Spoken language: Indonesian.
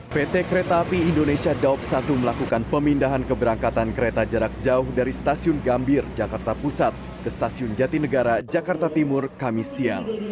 pt kereta api indonesia daup satu melakukan pemindahan keberangkatan kereta jarak jauh dari stasiun gambir jakarta pusat ke stasiun jatinegara jakarta timur kamis siang